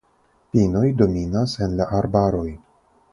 Pinoj dominas en la arbaroj.